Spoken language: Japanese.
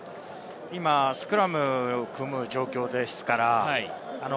今、スクラムを組む状況ですから。